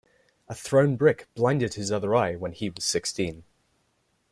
A thrown brick blinded his other eye when he was sixteen.